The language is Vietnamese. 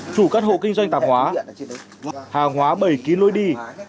chủ các hộ kinh doanh tạp hóa hàng hóa bày ký lối đi